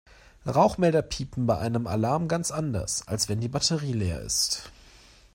Rauchmelder piepen bei einem Alarm ganz anders, als wenn die Batterie leer ist.